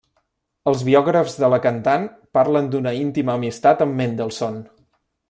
Els biògrafs de la cantant parlen d'una íntima amistat amb Mendelssohn.